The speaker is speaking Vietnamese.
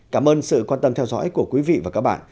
cảm ơn sự quan tâm theo dõi của quý vị và các bạn